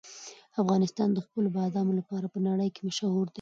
افغانستان د خپلو بادامو لپاره په نړۍ کې مشهور دی.